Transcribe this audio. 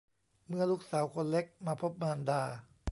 เมื่อลูกสาวคนเล็กมาพบมารดา